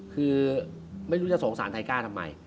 คือไม่รู้จะสงสารไทก้าทำไม